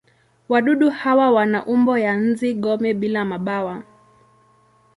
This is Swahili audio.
Wadudu hawa wana umbo wa nzi-gome bila mabawa.